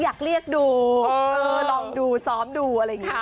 อยากเรียกดูลองดูซ้อมดูอะไรอย่างนี้